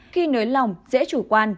khi nới lỏng dễ chủ quan